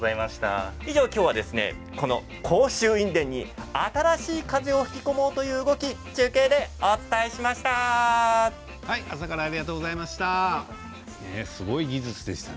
きょうはこの甲州印伝に新しい風を吹き込もうという動き中継でお伝えしました。